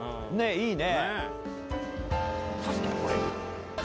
いいね！